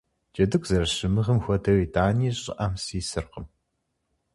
Джэдыгу зэрысщымыгъым хуэдэу итӀани щӀыӀэм сисыркъым.